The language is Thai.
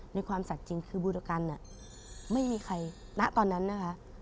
ในความศักดิ์จริงคือบูรกันไม่มีใครณตอนนั้นนะคะ